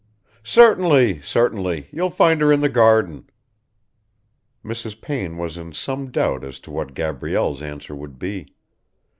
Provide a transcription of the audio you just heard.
"Certainly, certainly you'll find her in the garden." Mrs. Payne was in some doubt as to what Gabrielle's answer would be.